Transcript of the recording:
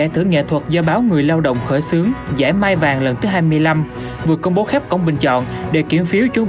thì nói chung là đâu có bằng cách